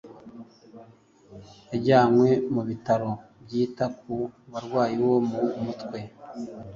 yajyanywe mu Bitaro byita ku barwayi bo mu mutwe